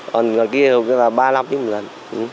còn cái kia là ba mươi năm tính một lần